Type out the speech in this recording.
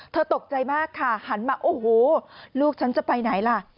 ตกใจมากค่ะหันมาโอ้โหลูกฉันจะไปไหนล่ะ